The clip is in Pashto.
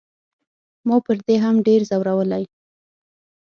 ما پر دې هم ډېر زورولی.